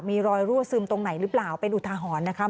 มีรอยรั่วซึมตรงไหนหรือเปล่าเป็นอุทาหรณ์นะคะ